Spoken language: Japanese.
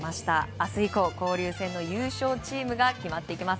明日以降、交流戦の優勝チームが決まっていきます。